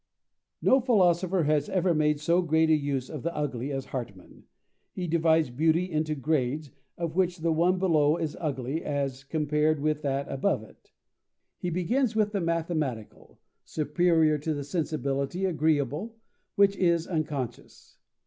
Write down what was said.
No philosopher has ever made so great a use of the Ugly as Hartmann. He divides Beauty into grades, of which the one below is ugly as compared with that above it. He begins with the mathematical, superior to the sensibly agreeable, which is unconscious.